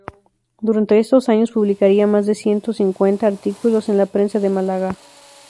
Durante estos años publicaría más de ciento cincuenta artículos en la prensa de Málaga.